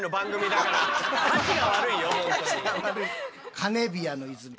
カネビアの泉。